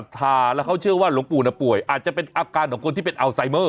ทาแล้วเขาเชื่อว่าหลวงปู่ป่วยอาจจะเป็นอาการของคนที่เป็นอัลไซเมอร์